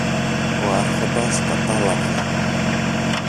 Ο Άρχοντας κατάλαβε.